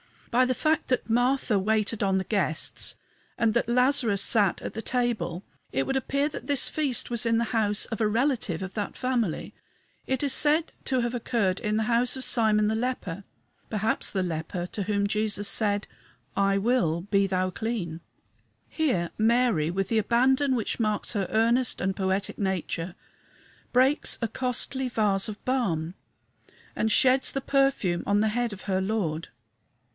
By the fact that Martha waited on the guests and that Lazarus sat at the table it would appear that this feast was in the house of a relative of that family. It is said to have occurred in the house of "Simon the Leper" perhaps the leper to whom Jesus said, "I will be thou clean." Here Mary, with the abandon which marks her earnest and poetic nature, breaks a costly vase of balm and sheds the perfume on the head of her Lord.